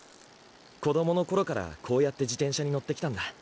子供の頃からこうやって自転車に乗ってきたんだ。